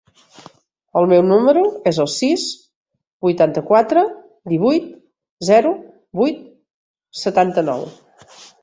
El meu número es el sis, vuitanta-quatre, divuit, zero, vuit, setanta-nou.